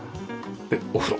でお風呂。